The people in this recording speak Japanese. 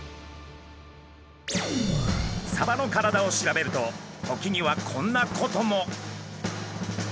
サバの体を調べると時にはこんなことも。